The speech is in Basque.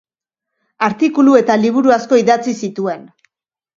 Artikulu eta liburu asko idatzi zituen.